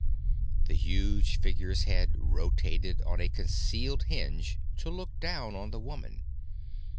The huge figure's head rotated on a concealed hinge to look down on the woman.